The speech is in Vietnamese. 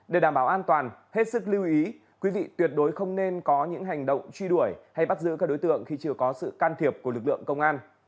để đảm bảo an toàn hết sức lưu ý quý vị tuyệt đối không nên có những hành động truy đuổi hay bắt giữ các đối tượng khi chưa có sự can thiệp của lực lượng công an